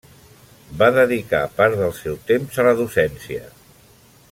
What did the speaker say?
Va dedicar part del seu temps a la docència.